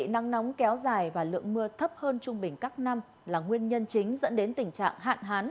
nắng nóng kéo dài và lượng mưa thấp hơn trung bình các năm là nguyên nhân chính dẫn đến tình trạng hạn hán